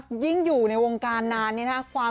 สวยมากจริงนะครับสวยมากจริงนะครับ